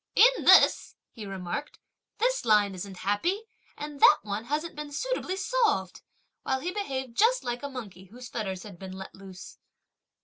"In this," he remarked, "this line isn't happy; and that one, hasn't been suitably solved!" while he behaved just like a monkey, whose fetters had been let loose.